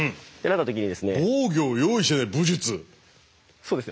そうですね。